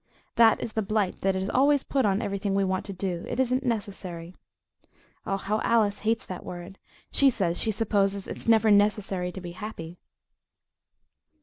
That is the blight that is always put on everything we want to do it isn't necessary. Oh, how Alice hates that word! She says she supposes it's never "necessary" to be happy.